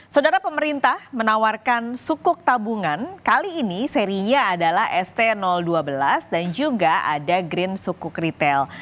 saudara pemerintah menawarkan sukuk tabungan kali ini serinya adalah st dua belas dan juga ada green sukuk retail